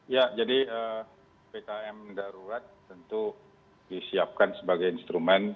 ya jadi pkm darurat tentu disiapkan sebagai instrumen